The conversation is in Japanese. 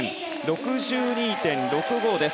６２．６５です。